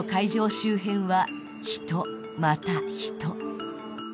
周辺は人、また人。